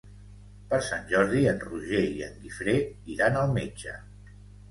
Per Sant Jordi en Roger i en Guifré iran al metge.